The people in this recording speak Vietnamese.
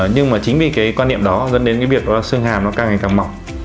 nhưng mà chính vì cái quan niệm đó dẫn đến cái việc đó là sương hàm nó càng ngày càng mỏng